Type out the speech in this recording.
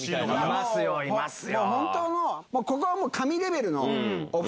いますよいますよ。